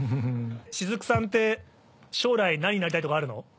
シズクさんって将来何になりたいとかあるの？